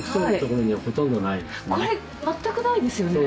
これ全くないですよね。